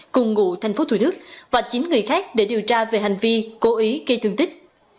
cùng ngụ tp thủ đức và chín người khác để điều tra về hành vi cố ý gây thương tích